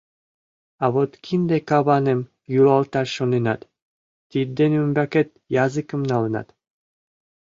А вот кинде каваным йӱлалташ шоненат, тидден ӱмбакет языкым налынат.